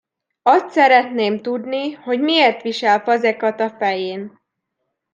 Azt szeretném tudni, hogy miért visel fazekat a fején.